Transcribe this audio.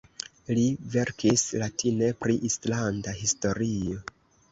Li verkis latine pri islanda historio.